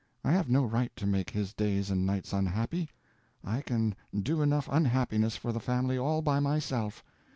I have no right to make his days and nights unhappy, I can do enough unhappiness for the family all by myself.